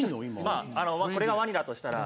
まああのこれがワニだとしたら。